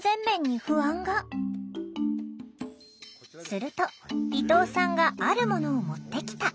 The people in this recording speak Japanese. すると伊藤さんがあるものを持ってきた。